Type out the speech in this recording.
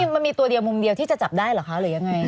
มันมีตัวเดียวมุมเดียวที่จะจับได้เหรอคะหรือยังไง